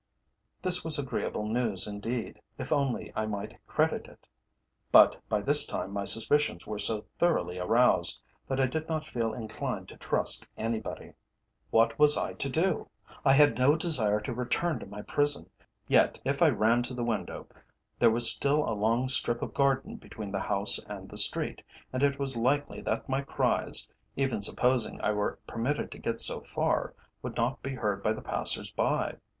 This was agreeable news indeed, if only I might credit it. But by this time my suspicions were so thoroughly aroused, that I did not feel inclined to trust anybody. What was I to do? I had no desire to return to my prison, yet if I ran to the window, there was still a long strip of garden between the house and the street, and it was likely that my cries, even supposing I were permitted to get so far, would not be heard by the passers by.